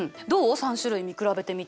３種類見比べてみて。